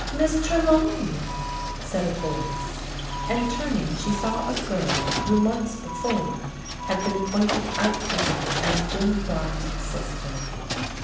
"Miss Trelawney," said a voice, and turning she saw a girl who, months before, had been pointed out to her as Jim Barnes' sister.